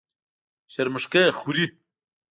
شرموښکۍ خوري.